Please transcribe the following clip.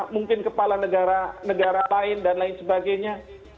mungkin kepala negara negara lain dan lain sebagainya